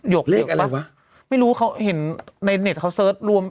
หยกหยกปะไม่รู้เขาเห็นในเน็ตเขาเสิร์ชรวม